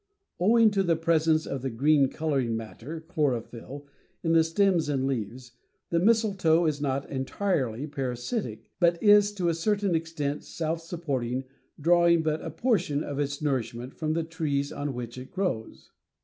Owing to the presence of the green coloring matter (Chlorophyll), in the stems and leaves, the mistletoe is not entirely parasitic, but is to a certain extent self supporting, drawing but a portion of its nourishment from the tree on which it grows.